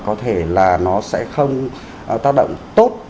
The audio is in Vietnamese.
có thể là nó sẽ không tác động tốt